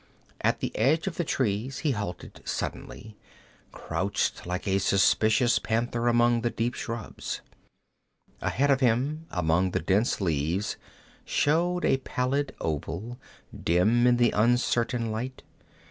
At the edge of the trees he halted suddenly, crouched like a suspicious panther among the deep shrubs. Ahead of him, among the dense leaves, showed a pallid oval, dim in the uncertain light.